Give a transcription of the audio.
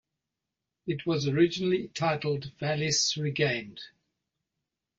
It was originally titled, "Valis Regained".